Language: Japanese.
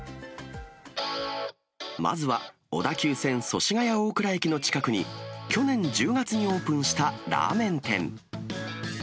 まずは、小田急線祖師ヶ谷大蔵駅の近くに、去年１０月にオープンしたラーメン店。